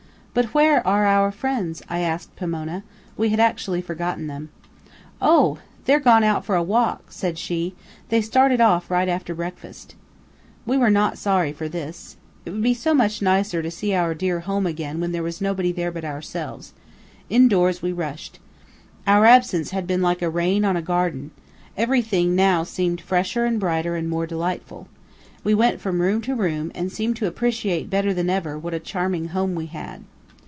"But where are our friends?" I asked Pomona. We had actually forgotten them. "Oh! they're gone out for a walk," said she. "They started off right after breakfast." We were not sorry for this. It would be so much nicer to see our dear home again when there was nobody there but ourselves. In doors we rushed. Our absence had been like rain on a garden. Everything now seemed fresher and brighter and more delightful. We went from room to room, and seemed to appreciate better than ever what a charming home we had.